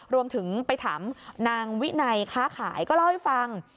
รวมถึงไปถามนางวินัยค้าขายก็เล่าให้ฟัง